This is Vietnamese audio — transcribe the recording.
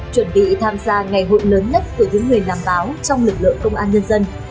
chuẩn bị tham gia ngày hội lớn nhất của những người làm báo trong lực lượng công an nhân dân